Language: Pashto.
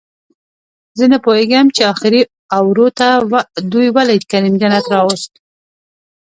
زه نپوهېږم چې اخري اوور ته دوئ ولې کریم جنت راووست